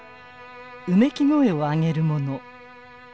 うめき声を上げる者。